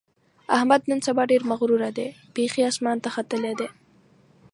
احمد نن سبا ډېر مغرور دی؛ بیخي اسمان ته ختلی دی.